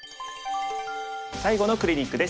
最後のクリニックです。